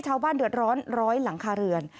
ชาวบ้านเดือดร้อนร้อยหลังคาเรือน